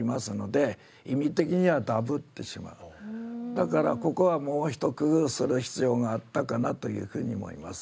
だからここはもう一工夫する必要があったかなというふうに思います。